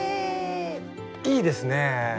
いいですね！